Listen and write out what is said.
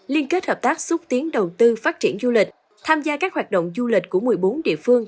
liên kết hợp tác xúc tiến đầu tư phát triển du lịch tham gia các hoạt động du lịch của một mươi bốn địa phương